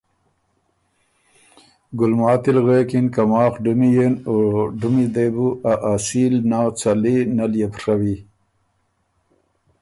ګلماتی ل غوېکِن که ”ماخ ډُمی يېن او ډُمی دې بُو ا اصیل نۀ څلی نۀ ليې بو ڒوی۔